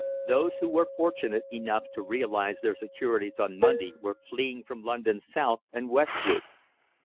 Those who were fortunate enough to realise their securities on Monday were fleeing from London south and westward.